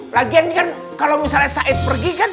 lagian kan kalau misalnya said pergi kan